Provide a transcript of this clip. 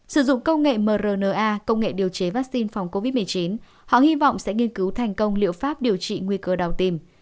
sử dụng công nghệ mrna công nghệ điều chế vaccine phòng covid một mươi chín họ hy vọng sẽ nghiên cứu thành công liệu pháp điều trị nguy cơ đau tim